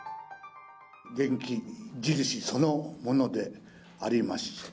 元気印そのものでありました。